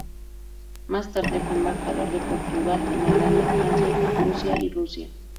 Más tarde fue embajador de Portugal en Holanda, Francia, Prusia y Rusia.